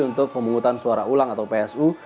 untuk pemungutan suara ulang atau psu